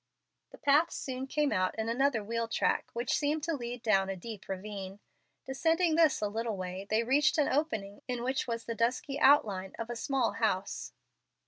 The path soon came out in another wheel track, which seemed to lead down a deep ravine. Descending this a little way, they reached an opening in which was the dusky outline of a small house.